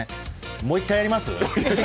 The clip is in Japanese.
もう１回やります？